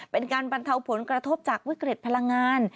เป็นการบรรเทาผลกระทบจากวิกฤตพลังงาน